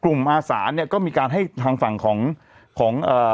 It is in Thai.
อาสาเนี้ยก็มีการให้ทางฝั่งของของเอ่อ